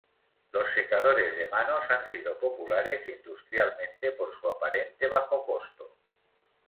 Los secadores de manos han sido populares industrialmente por su aparente bajo costo.